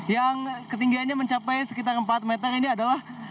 yang ketinggiannya mencapai sekitar empat meter ini adalah